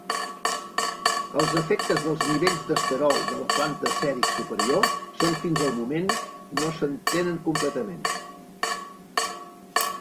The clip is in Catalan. Els efectes dels nivells d'esterol de la planta sèric superior són fins al moment no s'entenen completament.